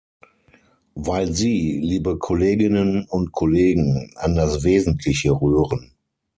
Weil sie, liebe Kolleginnen und Kollegen, an das Wesentliche rühren.